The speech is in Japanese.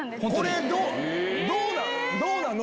どうなの？